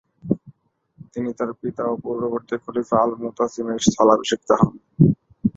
তিনি তার পিতা ও পূর্ববর্তী খলিফা আল মুতাসিমের স্থলাভিষিক্ত হন।